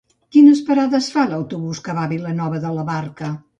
Quines parades fa l'autobús que va a Vilanova de la Barca?